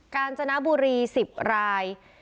กาญจนบุรี๑๐ราย